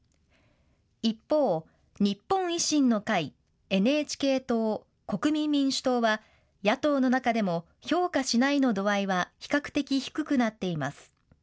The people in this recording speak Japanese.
一方、日本維新の会、ＮＨＫ党、国民民主党は野党の中でも評価しないの度合いは比較的低くなっています。